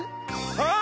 あっ！